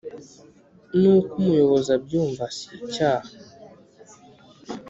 nuko umuyobozi abyumva sicyaha